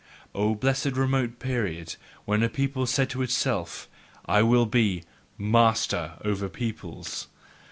O blessed remote period when a people said to itself: "I will be MASTER over peoples!"